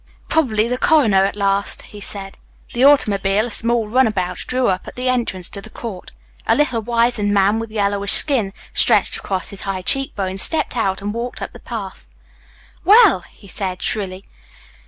"Probably the coroner at last," he said. The automobile, a small runabout, drew up at the entrance to the court. A little wizened man, with yellowish skin stretched across high cheek bones, stepped out and walked up the path. "Well!" he said shrilly.